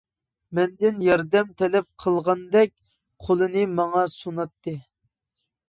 مەندىن ياردەم تەلەپ قىلغاندەك قولىنى ماڭا سۇناتتى.